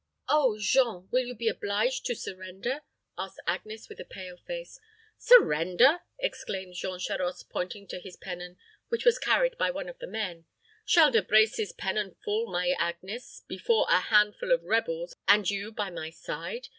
"Oh; Jean, will you be obliged to surrender?" asked Agnes, with a pale face. "Surrender!" exclaimed Jean Charost, pointing to his pennon, which was carried by one of the men. "Shall De Brecy's pennon fall, my Agnes, before, a handful of rebels, and you by my side?